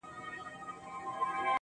زه خپله مينه د آسمان و کنگرو ته سپارم_